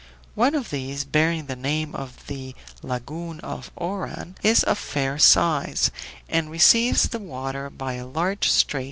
One of these, bearing the name of the Lagoon of Oran, is of fair size, and receives the water by a large strait.